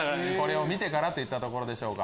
見てからといったとこでしょうか。